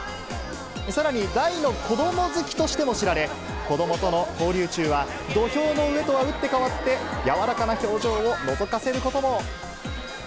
さらに大の子ども好きとしても知られ、子どもとの交流中は、土俵の上とは打って変わって、柔らかな表情をのぞかせることも。